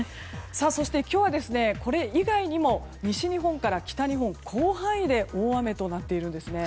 そして、今日はこれ以外にも西日本から北日本、広範囲で大雨となっているんです。